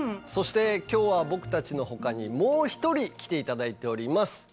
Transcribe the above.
そして今日は僕たちの他にもう一人来て頂いております。